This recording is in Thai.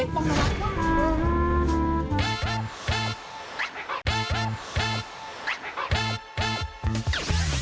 สวัสดีครับ